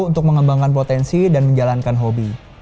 untuk mengembangkan potensi dan menjalankan hobi